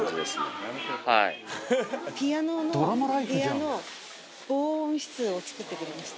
ピアノの部屋の防音室を作ってくれました。